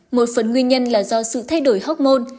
một phần nguyên nhân là do sự thay đổi hóc môn